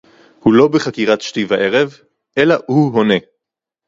הוא לא בחקירת שתי וערב אלא הוא עונה